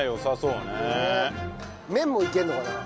麺もいけるのかな？